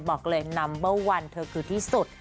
บอกเลยนัมเบอร์วันเธอคือที่สุด